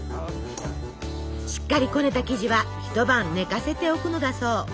しっかりこねた生地は一晩寝かせておくのだそう。